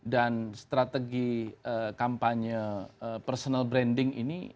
dan strategi kampanye personal branding ini